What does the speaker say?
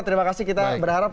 terima kasih kita berharap